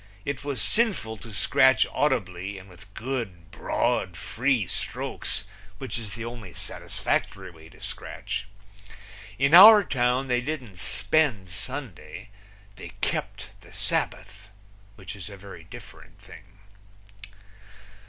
It was sinful to scratch audibly and with good, broad, free strokes, which is the only satisfactory way to scratch. In our town they didn't spend Sunday; they kept the Sabbath, which is a very different thing.